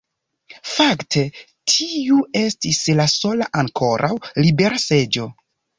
Fakte tiu estis la sola ankoraŭ libera seĝo.